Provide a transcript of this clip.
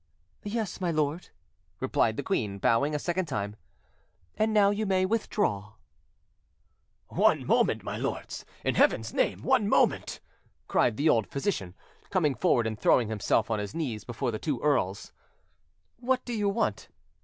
"Yes, my lord," replied the queen, bowing a second time, "and now you may withdraw." "One moment, my lords, in Heaven's name, one moment!" cried the old physician, coming forward and throwing himself on his knees before the two earls. "What do you want?"